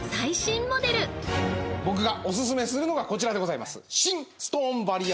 僕がおすすめするのがこちらでございます。